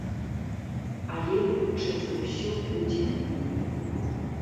Але, хутчэй за ўсё, будзе.